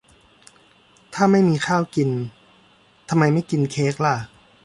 ถ้าไม่มีข้าวกิน ทำไมไม่กินเค้กละ